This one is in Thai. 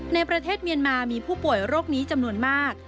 ในประเทศเมียนมามีผู้ป่วยโรคนี้จำนวนมาก